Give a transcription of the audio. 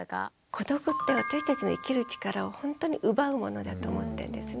孤独って私たちの生きる力をほんとに奪うものだと思ったんですね。